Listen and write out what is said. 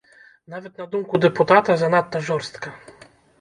Нават на думку дэпутата занадта жорстка!